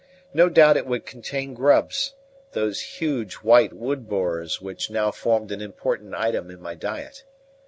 No doubt it would contain grubs those huge, white wood borers which now formed an important item in my diet.